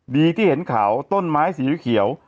ดีที่เห็นเขาต้นไม้สีเขียว